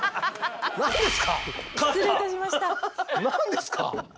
何ですか？